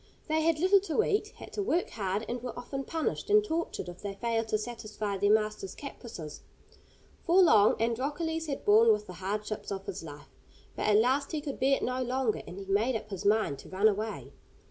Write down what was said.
They had little to eat, had to work hard, and were often punished and tortured if they failed to satisfy their master's caprices. For long Androcles had borne with the hardships of his life, but at last he could bear it no longer, and he made up his mind to run away.